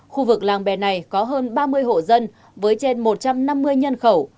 khu vực làng bè này có hơn ba mươi hộ dân với trên một trăm năm mươi nhân khẩu